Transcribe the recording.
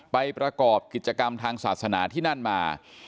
ประกอบกิจกรรมทางศาสนาที่นั่นมา